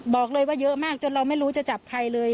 บอกเลยว่าเยอะมากจนเราไม่รู้จะจับใครเลย